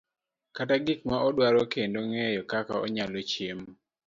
kata gik ma odwaro kendo ng'eyo kaka onyalo chiemo.